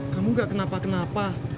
kamu nggak kenapa kenapa